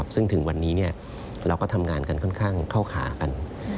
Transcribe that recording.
ซึ่งถึงวันนี้เราก็ทำงานกันค่อนข้างเข้าขากัน